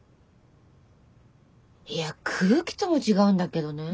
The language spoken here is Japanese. いや空気とも違うんだけどねぇ。